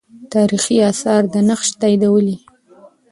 تاریخي آثار دا نقش تاییدولې.